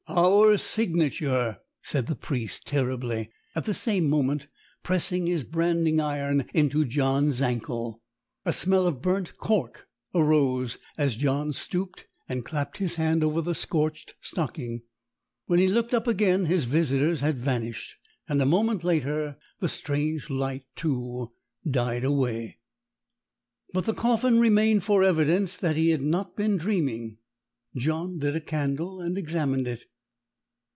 "Our signature!" said the priest terribly, at the same moment pressing his branding iron into John's ankle. A smell of burnt cork arose as John stooped and clapped his hand over the scorched stocking. When he looked up again his visitors had vanished; and a moment later the strange light, too, died away. But the coffin remained for evidence that he had not been dreaming. John lit a candle and examined it.